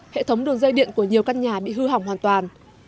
hệ thống đường dây điện của nhiều căn nhà bị hư hỏng hoàn toàn